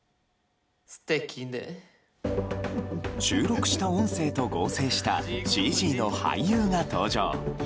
収録した音声と合成したＣＧの俳優が登場。